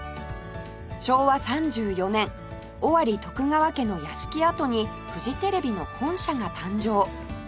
昭和３４年尾張徳川家の屋敷跡にフジテレビの本社が誕生